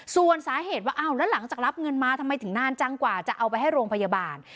ส่วนสาเหตุว่าอ้าวแล้วหลังจากรับเงินมาทำไมถึงนานจังกว่าจะเอาไปให้โรงพยาบาล